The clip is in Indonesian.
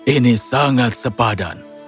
ini sangat sepadan